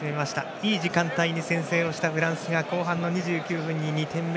いい時間帯に先制したフランスが後半２９分、２点目。